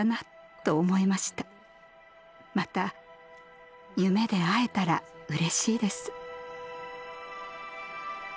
また夢で会えたらうれしいです。